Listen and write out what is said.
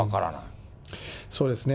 そうですね。